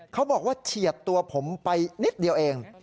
เขาบอกว่าเฉียดตัวผมไปนิดเดียวเอง